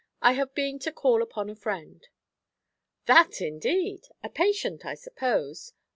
I have been to call upon a friend.' 'That, indeed! A patient, I suppose?'